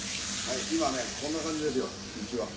今ねこんな感じですようちは」